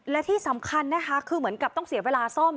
และที่สำคัญนะคะคือเหมือนกับต้องเสียเวลาซ่อม